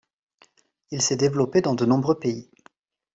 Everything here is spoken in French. Il s'est développé dans de nombreux pays.